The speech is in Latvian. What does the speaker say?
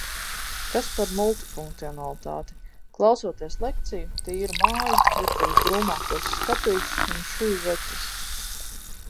Kas par multifunkcionalitāti! Klausoties lekciju, tīru māju, virtuves drūmākos skapīšus un šuju zeķes.